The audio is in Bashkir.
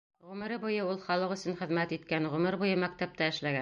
Ғүмере буйы ул халыҡ өсөн хеҙмәт иткән, ғүмер буйы мәктәптә эшләгән.